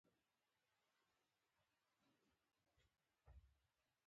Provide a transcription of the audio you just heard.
دوی د اسلام د خپراوي په منظور کار وکړ.